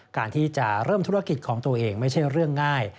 การที่จะเริ่มธุรกิจของตัวเองไม่ใช่เรื่องง่าย